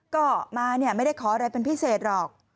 ก็มาเนี่ยไม่ได้ขออะไรเป็นพิเศษหรอก